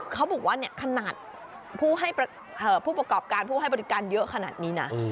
เขาบอกว่าขนาดผู้ประกอบการผู้ให้บริการเยอะขนาดนี้นะ